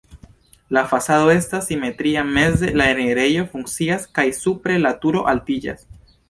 La fasado estas simetria, meze la enirejo funkcias kaj supre la turo altiĝas.